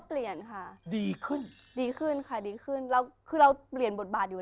เปลี่ยนค่ะดีขึ้นดีขึ้นค่ะดีขึ้นแล้วคือเราเปลี่ยนบทบาทอยู่แล้ว